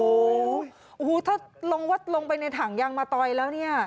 โอ้โหถ้าลงว่าลงไปในถังยางมะตอยแล้วเนี่ย